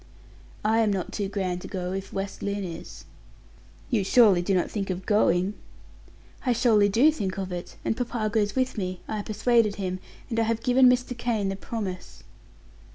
I am not too grand to go, if West Lynne is." "You surely do not think of going?" "I surely do think of it; and papa goes with me I persuaded him; and I have given Mr. Kane the promise."